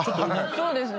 そうですね。